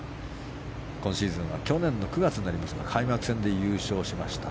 今シーズンは去年の９月になりますが開幕戦で優勝しました。